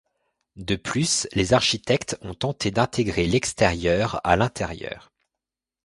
De plus, les architectes ont tenté d’intégrer l’extérieur à l’intérieur.